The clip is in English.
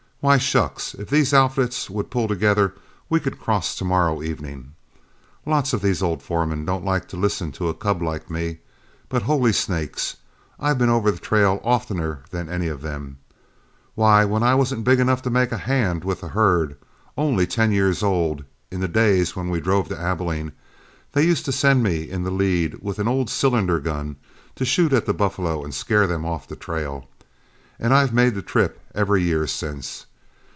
Why, shucks! if these outfits would pull together, we could cross to morrow evening. Lots of these old foremen don't like to listen to a cub like me, but, holy snakes! I've been over the trail oftener than any of them. Why, when I wasn't big enough to make a hand with the herd, only ten years old, in the days when we drove to Abilene, they used to send me in the lead with an old cylinder gun to shoot at the buffalo and scare them off the trail. And I've made the trip every year since.